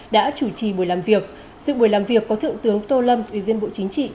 đã chủ trì buổi làm việc sự buổi làm việc có thượng tướng tô lâm ủy viên bộ chính trị